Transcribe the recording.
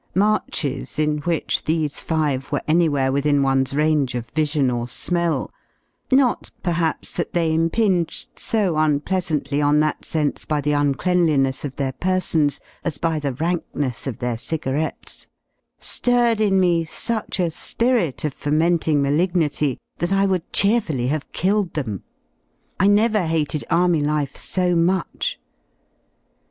Marches, in which these five were anywhere within one's range of vision or smell (not perhaps that they impinged so unpleasantly on that sense by the uncleanliness of their persons as by the rankness of their cigarettes), birred in me such a spirit of fermenting malignity that I would cheerfully have killed them. I never hated Army life so much.